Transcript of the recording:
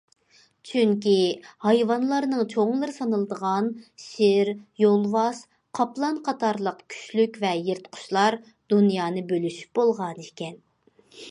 چۈنكى، ھايۋانلارنىڭ چوڭلىرى سانىلىدىغان شىر، يولۋاس، قاپلان... قاتارلىق كۈچلۈك ۋە يىرتقۇچلار دۇنيانى بۆلۈشۈپ بولغانىكەن.